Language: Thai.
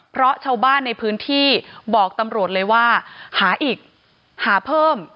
เพราะชาวบ้านในพื้นที่บอกตำรวจเลยว่าหาอีกหาเพิ่ม